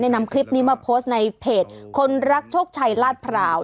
นำคลิปนี้มาโพสต์ในเพจคนรักโชคชัยลาดพร้าว